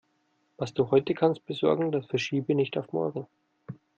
Was du heute kannst besorgen, das verschiebe nicht auf morgen.